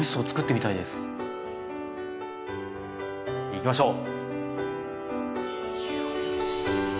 いきましょう！